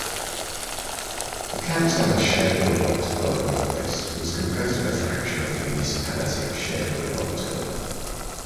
The canton of Cherbourg-Octeville-North-West was composed of a fraction of the municipality of Cherbourg-Octeville.